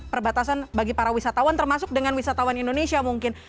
perbatasan bagi para wisatawan termasuk dengan wisatawan indonesia mungkin